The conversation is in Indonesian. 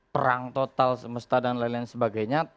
perang total semesta dan lain lain sebagainya